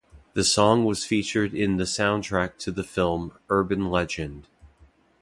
The song was featured in the soundtrack to the film, "Urban Legend".